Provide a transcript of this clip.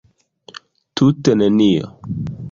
Tute nenio!